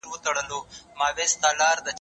نور په تیاره کي لار لیکم په رڼا نه راځمه